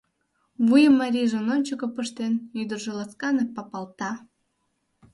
Вуйым марийжын ончыко пыштен, ӱдыржӧ ласканак папалта.